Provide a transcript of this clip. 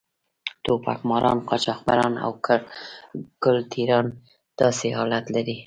ټوپک ماران، قاچاقبران او ګل ټېران داسې حالت لري.